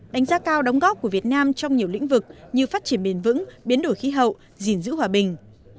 đánh giá cao đóng góp của việt nam trong nhiều lĩnh vực như phát triển bền vững biến đổi khí hậu gìn giữ hòa bình